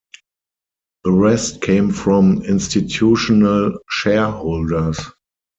The rest came from institutional shareholders.